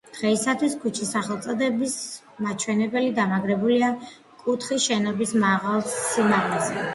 დღეისათვის ქუჩის სახელწოდების მაჩვენებელი დამაგრებულია კუთხის შენობის მაღალ სიმაღლეზე.